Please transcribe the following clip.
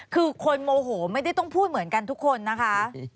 คือคนโมโหไม่ได้ต้องพูดเหมือนกันทุกคนนะคะ